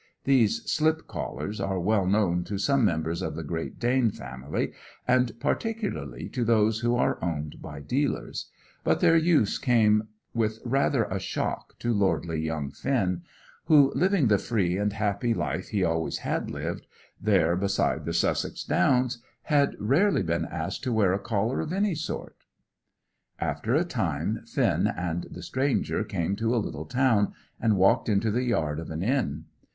These "slip collars" are well known to some members of the Great Dane family, and particularly to those who are owned by dealers; but their use came with rather a shock to lordly young Finn, who, living the free and happy life he always had lived, there beside the Sussex Downs, had rarely been asked to wear a collar of any sort. After a time, Finn and the stranger came to a little town, and walked into the yard of an inn.